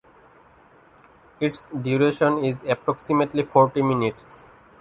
Its duration is approximately forty minutes.